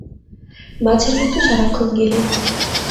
মাছের মত সারাক্ষণ গেলে!